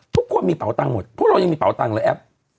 ทุกคนมีเป๋าตังค์หมดพวกเรายังมีเป๋ตังค์และแอป